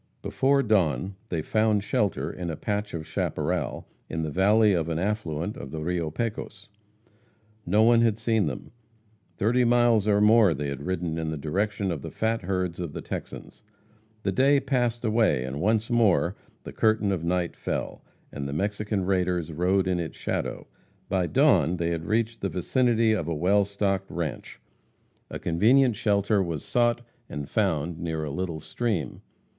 Before dawn they found shelter in a patch of chaparral in the valley of an affluent of the Rio Pecos. No one had seen them. Thirty miles and more they had ridden in the direction of the fat herds of the Texans. The day passed away, and once more the curtain of night fell, and the Mexican raiders rode in its shadow. By dawn they had reached the vicinity of a well stocked ranche. A convenient shelter was sought and found near a little stream.